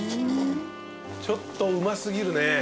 ちょっとうま過ぎるね。